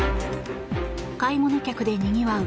買い物客でにぎわう